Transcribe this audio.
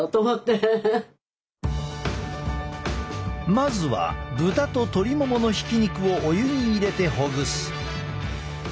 まずは豚と鶏モモのひき肉をお湯に入れてほぐす。